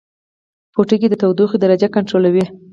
پوټکی د تودوخې درجه کنټرولوي